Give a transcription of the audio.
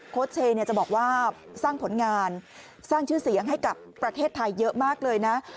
เชยจะบอกว่าสร้างผลงานสร้างชื่อเสียงให้กับประเทศไทยเยอะมากเลยนะ